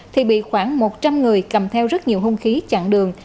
thì bị khoảng một trăm linh người cầm theo rất nhiều hung khí chặn đường